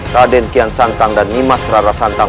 raden kian sangkang dan nimas rara santang